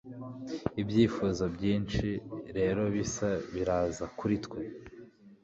Ibyifuzo byinshi rero bisa biraza kuri twe